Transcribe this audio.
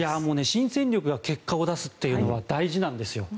新戦力が結果を出すというのは大事なんです。